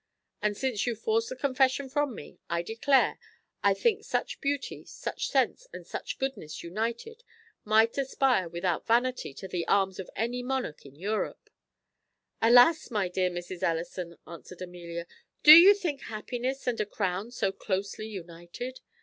And since you force the confession from me, I declare, I think such beauty, such sense, and such goodness united, might aspire without vanity to the arms of any monarch in Europe." "Alas! my dear Mrs. Ellison," answered Amelia, "do you think happiness and a crown so closely united?